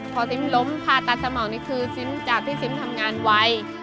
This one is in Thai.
พอซิมล้มผ่าตัดสมองนี่คือซิมจากที่ซิมทำงานไว